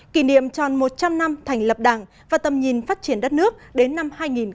kỷ niệm tròn một trăm linh năm thành lập đảng và tầm nhìn phát triển đất nước đến năm hai nghìn bốn mươi